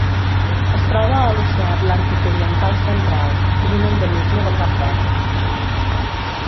Es troba a l'Oceà Atlàntic oriental central: és un endemisme de Cap Verd.